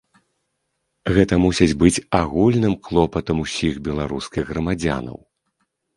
Гэта мусіць быць агульным клопатам усіх беларускіх грамадзянаў.